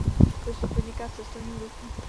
Dosud podniká v cestovním ruchu.